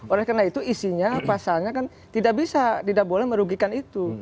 oleh karena itu isinya pasalnya kan tidak bisa tidak boleh merugikan itu